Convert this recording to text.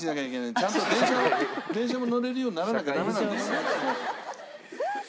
ちゃんと電車を電車も乗れるようにならなきゃダメなんですよ。